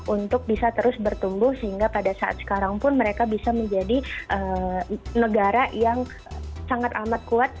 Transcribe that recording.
untuk bisa terus bertumbuh sehingga pada saat sekarang pun mereka bisa menjadi negara yang sangat amat kuat